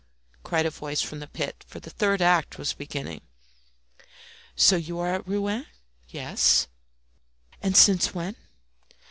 cried a voice from the pit, for the third act was beginning. "So you are at Rouen?" "Yes." "And since when?"